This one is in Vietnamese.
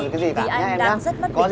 vì anh đang rất mất bình tĩnh